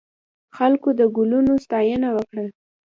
خلکو د ګلونو ستاینه وکړه.